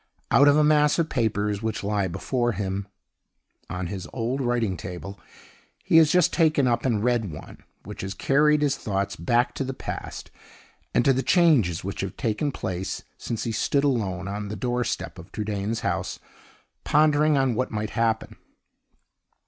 Out of a mass of papers which lie before him on his old writing table, he has just taken up and read one, which has carried his thoughts back to the past, and to the changes which have taken place since he stood alone on the doorstep of Trudaine's house, pondering on what might happen.